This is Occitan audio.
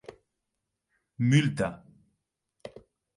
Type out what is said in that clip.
Multa!